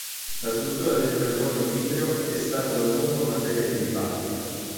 La struttura del carbonio vitreo è stato a lungo materia di dibattito.